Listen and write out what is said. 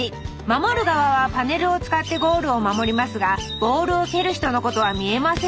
守る側はパネルを使ってゴールを守りますがボールを蹴る人のことは見えません。